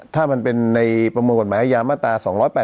ถ้ามันเป็นในประมวลกฎหมายอาญามาตรา๒๘๘